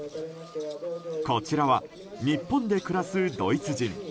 こちらは日本で暮らすドイツ人。